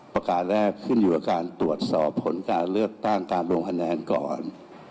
ประการแรกขึ้นอยู่กับการตรวจสอบผลการเลือกตั้งการลงคะแนนก่อน